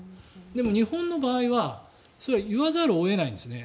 でも日本の場合はそれは言わざるを得ないんですね。